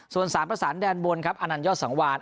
ส่วนสามประสานแดนบนครับอนันยอดสังวาน